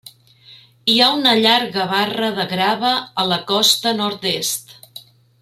Hi ha una llarga barra de grava a la costa nord-est.